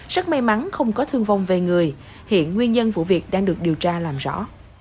rất may mắn không có thương vong về người hiện nguyên nhân vụ việc đang được điều tra làm rõ